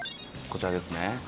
こちらですね